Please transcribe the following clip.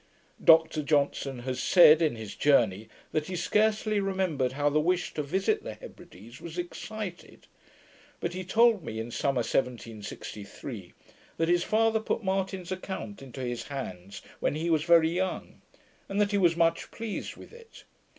Dr Johnson has said in his Journey, 'that he scarcely remembered how the wish to visit the Hebrides was excited'; but he told me, in summer, 1763, that his father put Martin's Account into his hands when he was very young, and that he was much pleased with it.